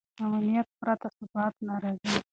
امنیت پرته ثبات نه راځي.